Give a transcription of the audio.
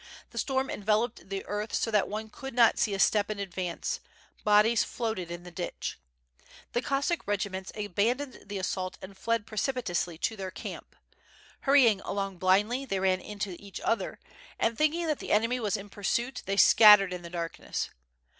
The storm enveloped the earth so that one could not see a step in advance; bodies floated in the ditch. The Cossack regiments abandoned the assault and fled precipitately to their camp. Hurrying along blindly, they ran into each other, and think ing that the enemy was in pursuit, they scattered in the dark ness.